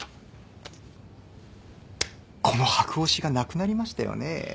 この箔押しがなくなりましたよね？